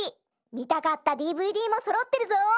みたかったＤＶＤもそろってるぞ！